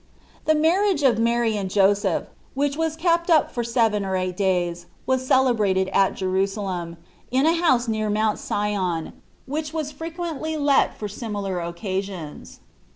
The marriage of Mary and Joseph, which was kept up for seven or eight days, was celebrated at Jerusalem, in a house near Mount Sion, which ZTbe 1Flativ>tts of was frequently let for similar occasions.